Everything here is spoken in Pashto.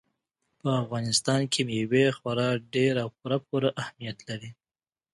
په افغانستان کې مېوې خورا ډېر او پوره پوره اهمیت لري.